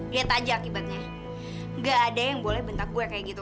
lihat aja akibatnya gak ada yang boleh bentak gue kayak gitu